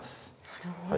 なるほど。